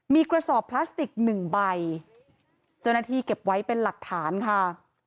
มีกระสอบพลาสติกหนึ่งใบเจ้าหน้าที่เก็บไว้เป็นหลักฐานค่ะ